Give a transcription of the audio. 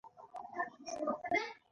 ازادي راډیو د حیوان ساتنه ته پام اړولی.